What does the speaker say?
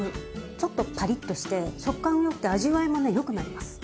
ちょっとパリッとして食感もよくて味わいもねよくなります。